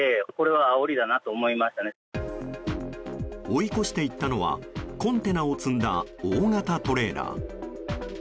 追い越していったのはコンテナを積んだ大型トレーラー。